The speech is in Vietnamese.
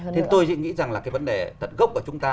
thế tôi nghĩ rằng là cái vấn đề tận gốc của chúng ta